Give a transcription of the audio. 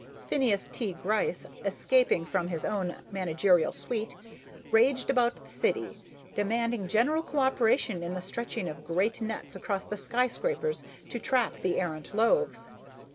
Phineas T. Gryce, escaping from his own managerial suite, raged about the city, demanding general cooperation in the stretching of great nets between the skyscrapers to trap the errant loaves.